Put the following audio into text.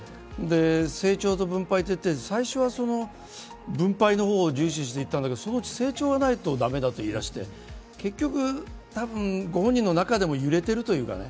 成長と分配って言って、最初は分配の方を重視していたんだけどそのうち成長がないと駄目だと言い出して結局、ご本人の中でも揺れているというかね